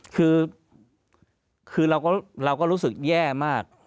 คือคือเราก็เราก็รู้สึกแย่มาก